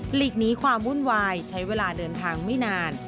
หลีกหนีความวุ่นวายใช้เวลาเดินทางไม่นาน